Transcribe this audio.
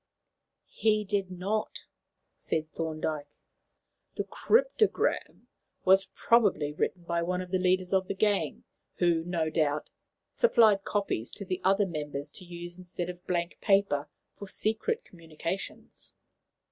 "He did not," said Thorndyke. "The 'cryptogram' was probably written by one of the leaders of the gang, who, no doubt, supplied copies to the other members to use instead of blank paper for secret communications.